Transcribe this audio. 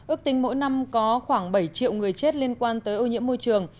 ước tính mỗi năm có khoảng bảy triệu người chết liên quan tới ô nhiễm môi trường